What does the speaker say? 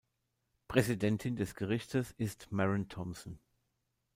Präsidentin des Gerichtes ist Maren Thomsen.